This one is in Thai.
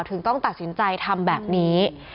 ถึงต้องตัดสินใจทำแบบนี้